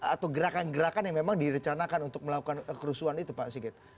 atau gerakan gerakan yang memang direncanakan untuk melakukan kerusuhan itu pak sigit